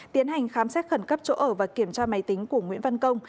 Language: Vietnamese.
tiến hành khám xét khẩn cấp chỗ ở và kiểm tra máy tính của nguyễn văn công